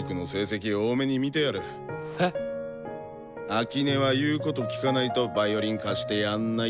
秋音は言うこと聞かないとヴァイオリン貸してやんない。